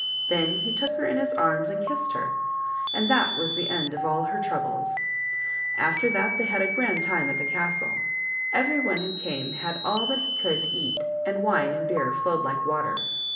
Then he took her in his arms and kissed her, and that was the end of all of her troubles. After that they had a grand time at the castle ; every one who came had all that he could eat, and wine and beer flowed like water.